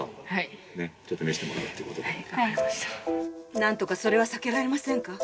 「なんとかそれはさけられませんか？」。